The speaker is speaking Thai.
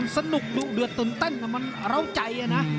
สนุกดุเดือดตื่นเต้นมันเล้าใจนะ